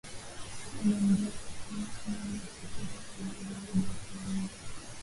kanda ndefu sana kutoka Somalia hadi Msumbiji